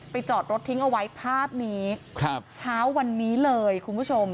จอดรถทิ้งเอาไว้ภาพนี้ครับเช้าวันนี้เลยคุณผู้ชม